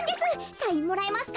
サインもらえますか？